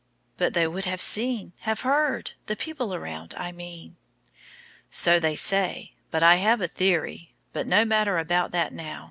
"But they would have seen have heard the people around, I mean." "So they say; but I have a theory but no matter about that now.